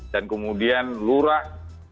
dan kemudian lurah